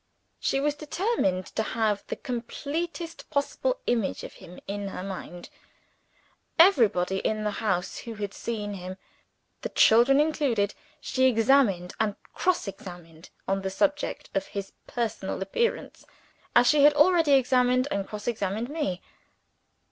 She was determined to have the completest possible image of him in her mind. Everybody in the house who had seen him (the children included) she examined and cross examined on the subject of his personal appearance, as she had already examined and cross examined me.